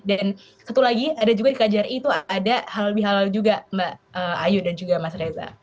dan satu lagi ada juga di kjri itu ada halal bihalal juga mbak ayu dan juga mas reza